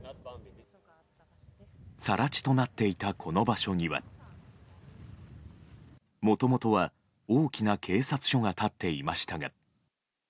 更地となっていたこの場所にはもともとは大きな警察署が立っていましたが。